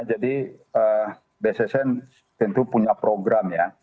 jadi bssn tentu punya program ya